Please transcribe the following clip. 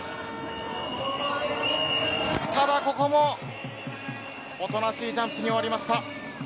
ただここもおとなしいジャンプに終わりました。